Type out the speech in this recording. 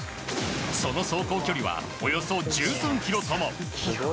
その走行距離はおよそ１３ｋｍとも。